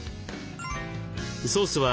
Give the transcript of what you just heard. ソースは